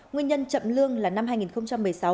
nguyên nhân chậm lương là năm hai nghìn một mươi sáu